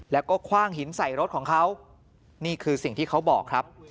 แล้วก็คว่างหินใส่รถของเขานี่คือสิ่งที่เขาบอกครับ